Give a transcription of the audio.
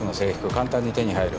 簡単に手に入る？